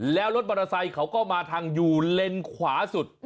แล้วรถบริษัทเขาก็มาทางอยู่เลนส์ขวาสุด